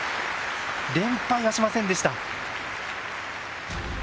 連敗はしませんでした。